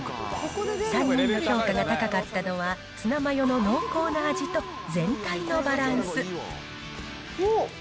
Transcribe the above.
３人の評価が高かったのは、ツナマヨの濃厚な味と全体のバランス。